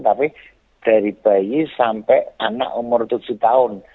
tapi dari bayi sampai anak umur tujuh tahun